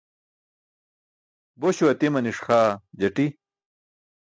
Bośo atimaniṣ xaa jati.